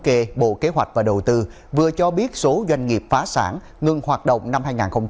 kỳ bộ kế hoạch và đầu tư vừa cho biết số doanh nghiệp phá sản ngừng hoạt động năm hai nghìn một mươi chín